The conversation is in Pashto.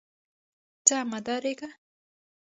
ځه مه ډارېږه.